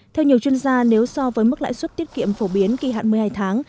theo nhiều chuyên gia nếu so với mức lãi suất tiết kiệm phổ biến kỳ hạn một mươi hai tháng